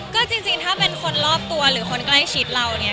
ก็จริงถ้าเป็นคนรอบตัวหรือคนใกล้ชิดเราเนี่ย